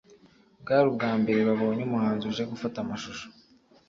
bwari ubwa mbere babonye umuhanzi uje gufata amashusho